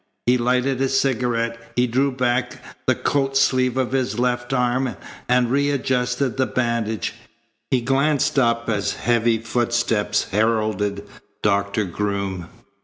He lighted a cigarette. He drew back the coat sleeve of his left arm and readjusted the bandage. He glanced up as heavy footsteps heralded Doctor Groom.